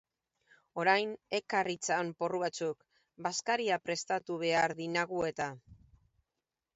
Orain ekar itzan porru batzuk, bazkaria prestatu behar dinagu-eta.